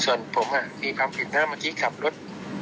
ส่วนผมอ่ะคือความผิดหน้าเมื่อกี้ขับรถ